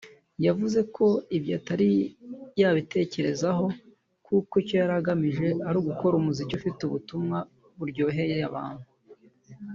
yavuze ko ibyo atari yabitekerezaho kuko icyo agamije ari ugukora umuziki ufite ubutumwa buryoheye abantu